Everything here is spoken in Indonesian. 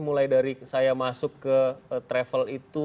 mulai dari saya masuk ke travel itu